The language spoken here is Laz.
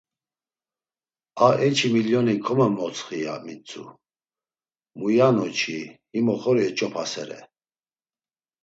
A eçi milioni komemotsxi ya mitzu, muyanu-çi him oxori eç̌opasere.